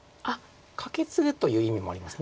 カケツグという意味もあります。